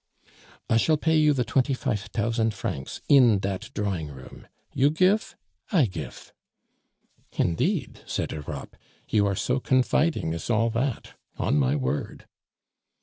"I shall pay you the twenty fife tousand francs in dat drawing room. You gife I gife!" "Indeed!" said Europe, "you are so confiding as all that? On my word!"